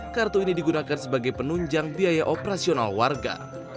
kartu ini digunakan sebagai penunjang biaya operasional warga